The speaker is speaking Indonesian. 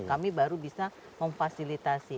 kami baru bisa memfasilitasi